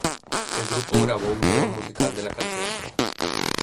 El grupo grabó un vídeo musical de la canción.